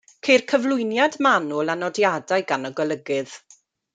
Ceir cyflwyniad manwl a nodiadau gan y golygydd.